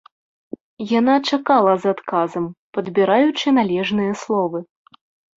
Яна чакала з адказам, падбіраючы належныя словы.